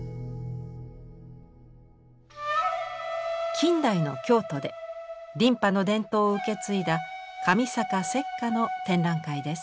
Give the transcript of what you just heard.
近代の京都で琳派の伝統を受け継いだ神坂雪佳の展覧会です。